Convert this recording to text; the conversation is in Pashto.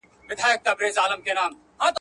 د کډه په شا او ښار مېشته بڼې مهمي دي.